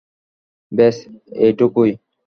ব্যাস, এটুকুই।